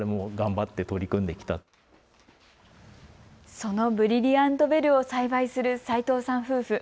そのブリリアント・ベルを栽培する斉藤さん夫婦。